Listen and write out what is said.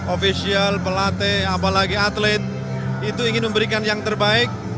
ofisial pelatih apalagi atlet itu ingin memberikan yang terbaik